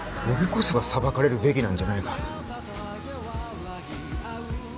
俺こそが裁かれるべきなんじゃないか？